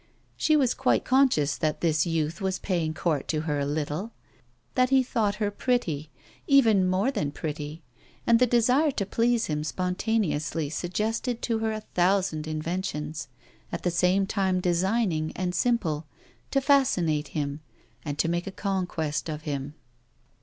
She was quite conscious that this youth was paying court to her a little, that he thought her pretty, even more than pretty; and the desire to please him spontaneously suggested to her a thousand inventions, at the same time designing and simple, to fascinate him and to make a conquest of him.